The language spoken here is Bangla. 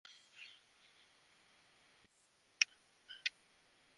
আরে সন্ধ্যার মধ্যে এই ছানাগুলা বড় কিভাবে হবে?